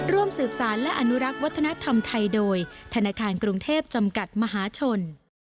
ร่วมสืบสารและอนุรักษ์วัฒนธรรมไทยโดยธนาคารกรุงเทพจำกัดมหาชน